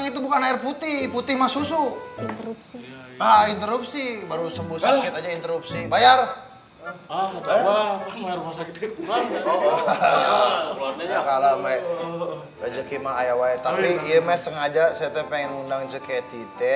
tapi dia mau sengaja pengen undang kita ke sini